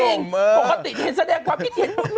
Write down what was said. ปกติเห็นแสดงความคิดเห็น